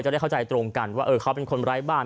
ได้เข้าใจตรงกันว่าเขาเป็นคนไร้บ้าน